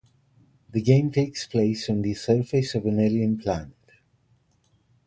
The game takes place on the surface of an alien planet.